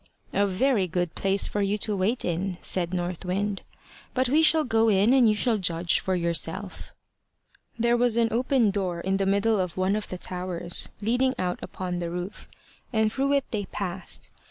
"A very good place for you to wait in," said North Wind. "But we shall go in, and you shall judge for yourself." There was an open door in the middle of one of the towers, leading out upon the roof, and through it they passed.